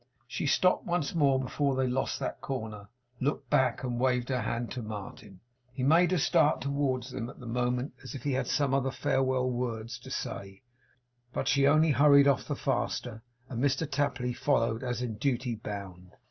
She stopped once more before they lost that corner; looked back; and waved her hand to Martin. He made a start towards them at the moment as if he had some other farewell words to say; but she only hurried off the faster, and Mr Tapley followed as in duty bound.